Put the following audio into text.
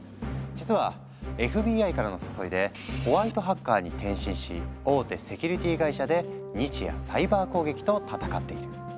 実はＦＢＩからの誘いでホワイトハッカーに転身し大手セキュリティ会社で日夜サイバー攻撃と戦っている。